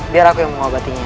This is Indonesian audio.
biar aku yang mengobatinya